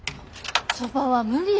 そばは無理。